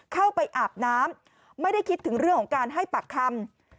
อาบน้ำไม่ได้คิดถึงเรื่องของการให้ปากคำ